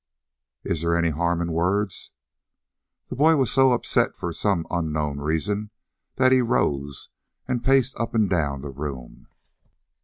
"Is there any harm in words?" The boy was so upset for some unknown reason that he rose and paced up and down the room.